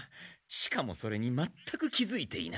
しかもそれにまったく気づいていない。